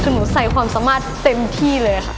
คือหนูใส่ความสามารถเต็มที่เลยค่ะ